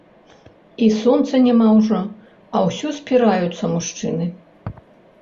І сонца няма ўжо, а ўсё спіраюцца мужчыны.